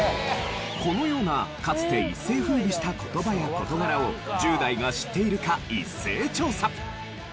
このようなかつて一世風靡した言葉や事柄を１０代が知っているか一斉調査。